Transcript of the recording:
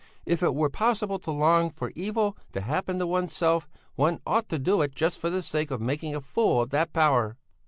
If it were possible to long for evil to happen to oneself, one ought to do it just for the sake of making a fool of that power."